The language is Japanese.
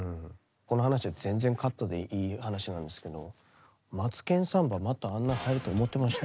この話は全然カットでいい話なんですけど「マツケンサンバ」またあんなはやると思ってました？